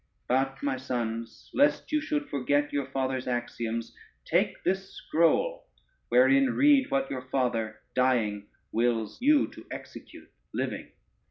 But, my sons, lest you should forget your father's axioms, take this scroll, wherein read what your father dying wills you to execute living."